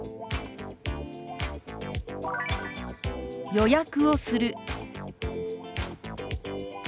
「予約をする」。